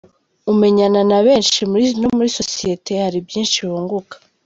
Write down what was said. Umenyana na benshi no muri sosiyete hari byinshi wunguka.